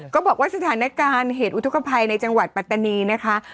ก็บอกว่าสถานการณ์เหตุอุทธกภัยในจังหวัดปัตตานีนะคะ